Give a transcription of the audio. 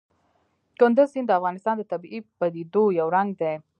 کندز سیند د افغانستان د طبیعي پدیدو یو رنګ دی.